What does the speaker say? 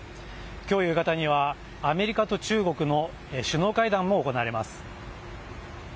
きょう夕方には、アメリカと中国の首脳会談も行われます。